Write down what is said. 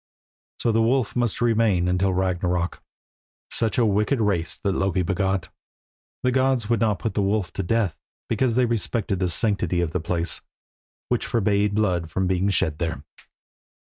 So the wolf must remain until Ragnarök. Such a wicked race has Loki begot. The gods would not put the wolf to death because they respected the sanctity of the place, which forbade blood being shed there.